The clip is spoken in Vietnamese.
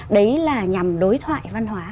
đấy là nhằm đối thoại văn hóa